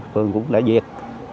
phường cũng đã diệt